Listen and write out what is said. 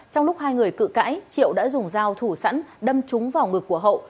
trong lúc hai người cự cãi triệu đã dùng dao thủ sẵn đâm trúng vào ngực của hậu